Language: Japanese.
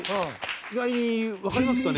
意外にわかりますかね？